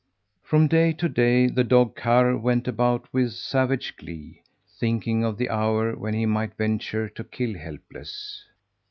From day to day the dog Karr went about with savage glee, thinking of the hour when he might venture to kill Helpless.